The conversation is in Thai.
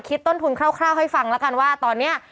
ต้นทุนคร่าวให้ฟังแล้วกันว่าตอนนี้